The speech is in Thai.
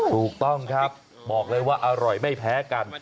ถูกต้องครับบอกเลยว่าอร่อยไม่แพ้กัน